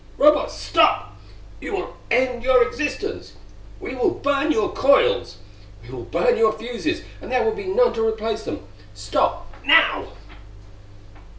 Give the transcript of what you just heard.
"_Robots, stop! You will end your existence! We will burn your coils! We will burn your fuses, and there will be none to replace them. Stop now!